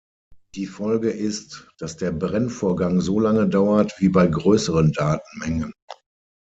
Die Folge ist, dass der Brennvorgang so lange dauert wie bei größeren Datenmengen.